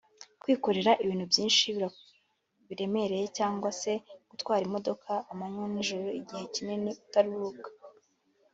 kwikorera ibintu byinshi biremereye cyangwa se gutwara imodoka amanywa n’ijoro igihe kinini utaruhuka